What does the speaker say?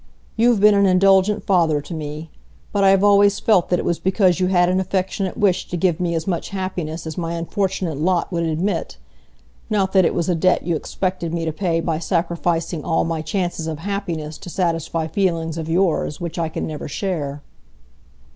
You have been an indulgent father to me; but I have always felt that it was because you had an affectionate wish to give me as much happiness as my unfortunate lot would admit, not that it was a debt you expected me to pay by sacrificing all my chances of happiness to satisfy feelings of yours which I can never share."